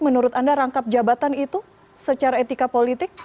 menurut anda rangkap jabatan itu secara etika politik